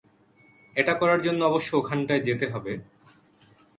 এটা করার জন্য অবশ্য ওখানটায় যেতে হবে।